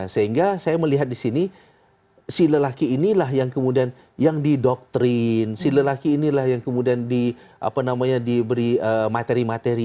sehingga saya melihat di sini si lelaki inilah yang kemudian yang didoktrin si lelaki inilah yang kemudian diberi materi materi